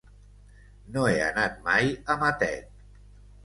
No he anat mai a Matet.